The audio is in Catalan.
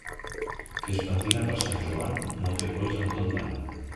Qui es pentina per Sant Joan, no té polls en tot l'any.